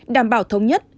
đảm bảo thống nhất